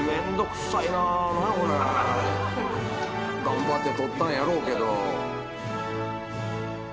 頑張って撮ったんやろうけど。